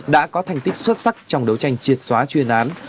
đã có thành tích xuất sắc trong đấu tranh triệt xóa chuyên án